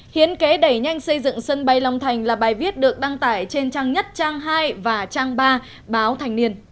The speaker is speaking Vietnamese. hiến kế đẩy nhanh xây dựng sân bay long thành là bài viết được đăng tải trên trang nhất trang hai và trang ba báo thành niên